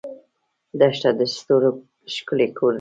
دښته د ستورو ښکلی کور دی.